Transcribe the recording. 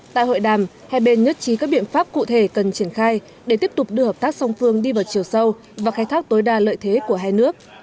tại hội đàm hai bên nhất trí các biện pháp cụ thể cần triển khai để tiếp tục đưa hợp tác song phương đi vào chiều sâu và khai thác tối đa lợi thế của hai nước